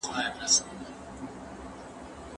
کله کله به هوا ته هم ختلې